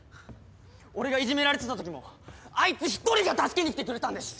俺がいじめられてたときもあいつ一人が助けに来てくれたんです！